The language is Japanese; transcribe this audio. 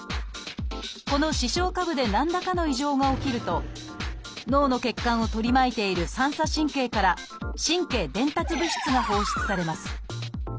この視床下部で何らかの異常が起きると脳の血管を取り巻いている「三叉神経」から神経伝達物質が放出されます。